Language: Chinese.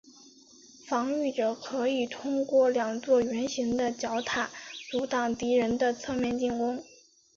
防御者可以通过两座圆形的角塔阻挡敌人的侧面进攻。